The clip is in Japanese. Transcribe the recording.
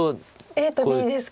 ＡとＢですか。